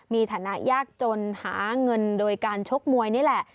มีฐานะยากจนหาเงินโดยการชกมวยนี่แหละ